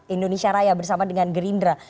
indonesia raya bersama dengan gerindra